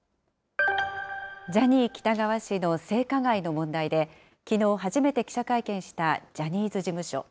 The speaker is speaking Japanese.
ジャニー喜多川氏の性加害の問題で、きのう初めて記者会見したジャニーズ事務所。